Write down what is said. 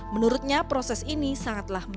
menurutnya proses ini sangat langsung